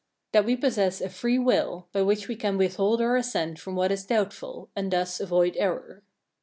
That we possess a free will, by which we can withhold our assent from what is doubtful, and thus avoid error.